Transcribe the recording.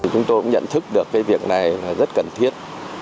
chúng tôi cũng nhận thức được cái việc này là rất cần thiết